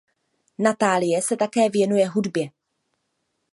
Natálie se také věnuje hudbě.